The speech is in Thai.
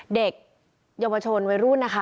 เด็กย่อประชวรไว้รุ่นค่ะ